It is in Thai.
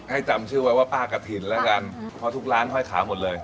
จำชื่อไว้ว่าป้ากระถิ่นแล้วกันเพราะทุกร้านห้อยขาหมดเลย